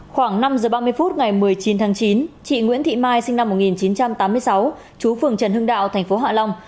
khoảng năm h ba mươi phút ngày một mươi chín tháng chín chị nguyễn thị mai sinh năm một nghìn chín trăm tám mươi sáu chú phường trần hưng đạo thành phố hạ long